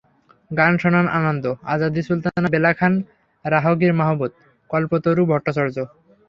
গান শোনান আনন্দ, আজাদী সুলতানা, বেলা খান, রাহগির মাহমুদ, কল্পতরু ভট্টচার্য।